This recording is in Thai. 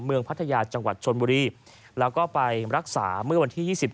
พัทยาจังหวัดชนบุรีแล้วก็ไปรักษาเมื่อวันที่๒๗